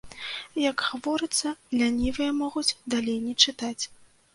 Як гаворыцца, лянівыя могуць далей не чытаць.